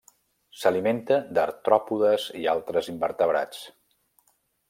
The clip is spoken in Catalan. S'alimenta d'artròpodes i altres invertebrats.